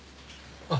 あ。